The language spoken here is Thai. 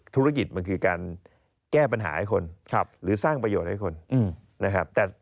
ธุรกิจมันคือการแก้ปัญหาให้คนหรือสร้างประโยชน์ให้คนนะครับ